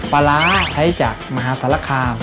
ปลาร้าใช้จากมหาสารคาม